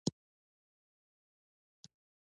کلي د افغانستان د ځانګړي ډول جغرافیه استازیتوب کوي.